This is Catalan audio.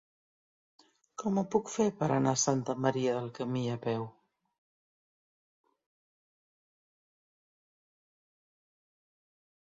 Com ho puc fer per anar a Santa Maria del Camí a peu?